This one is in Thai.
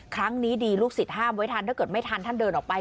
ครั้งนี้ดีลูกศิษย์ห้ามไว้ทันถ้าเกิดไม่ทันท่านเดินออกไป